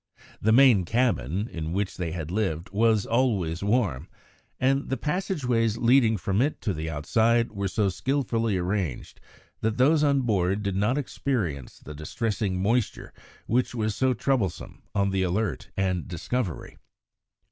The main cabin, in which they lived, was always warm, and the passage ways leading from it to the outside were so skilfully arranged that those on board did not experience the distressing moisture which was so troublesome on the Alert and Discovery.